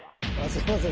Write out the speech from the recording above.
すみません。